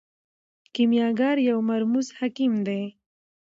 کیمیاګر یو مرموز حکیم دی.